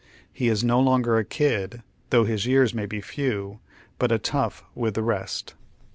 He is no longer a "kid," though his years may be few, but a tough with the rest.